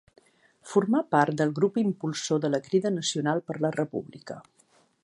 Formà part del grup impulsor de la Crida Nacional per la República.